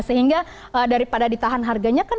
sehingga daripada ditahan harganya kan